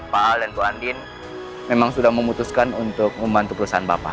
pak al dan bu andin memang sudah memutuskan untuk membantu perusahaan bapak